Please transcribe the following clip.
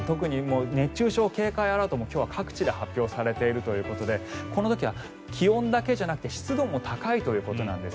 熱中症警戒アラートも各地で発表されているのでこの時は気温だけじゃなくて湿度も高いということです。